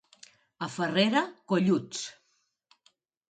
A Farrera, golluts.